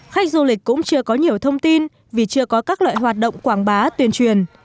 khách du lịch cũng chưa có nhiều thông tin vì chưa có các loại hoạt động quảng bá tuyên truyền